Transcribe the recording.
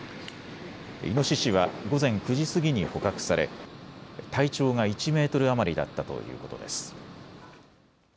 イノシシは午前９時過ぎに捕獲され体長が１メートル余りだったということです。